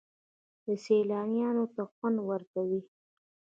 دا سیلانیانو ته خوند ورکوي.